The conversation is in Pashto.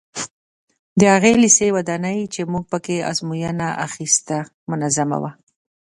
د هغه لېسې ودانۍ چې موږ په کې ازموینه اخیسته منظمه وه.